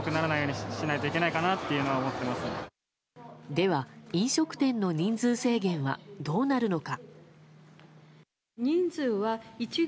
では、飲食店の人数制限はどうなるのか。